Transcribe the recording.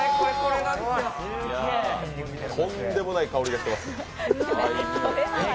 とんでもない香りがしてます。